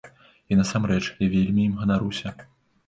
І, насамрэч, я вельмі ім ганаруся.